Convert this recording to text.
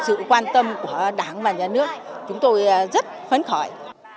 sự quan tâm của đảng và nhà nước chúng tôi rất phấn khởi